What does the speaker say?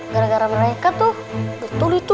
gara gara mereka tuh betul itu